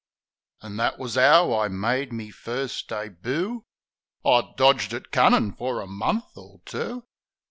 An' that wus 'ow I made me first deboo. I'd dodged it cunnin' fer a month or two.